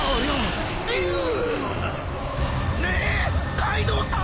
カイドウさん！？